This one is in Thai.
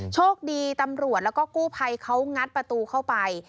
โชคดีตำรวจแล้วก็กู้ภัยเขางัดประตูเข้าไป